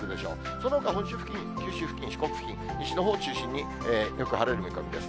そのほか本州付近、九州付近、四国付近、西の方を中心によく晴れる見込みです。